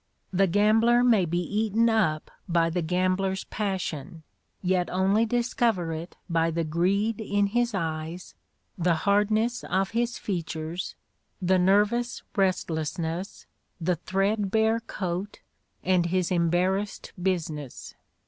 The gambler may be eaten up by the gambler's passion, yet only discover it by the greed in his eyes, the hardness of his features, the nervous restlessness, the threadbare coat, and his embarrassed business.